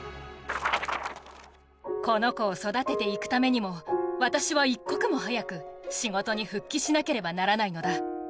この子を育てていくためにも、私は一刻も早く仕事に復帰しなければならないのだ。